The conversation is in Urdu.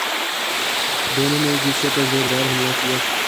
دونوں نے ایک دوسرے پرزوردار حملہ کیا